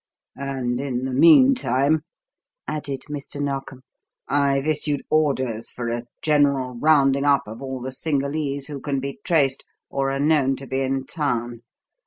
"And in the meantime," added Mr. Narkom, "I've issued orders for a general rounding up of all the Cingalese who can be traced or are known to be in town.